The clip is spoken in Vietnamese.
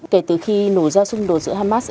kể từ khi nổ ra xung đột giữa hamas